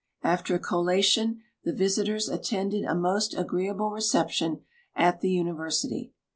After a collation the visitors attended a most agree able reception at the university.